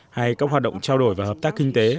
hay các hoạt động trao đổi và hợp tác kinh tế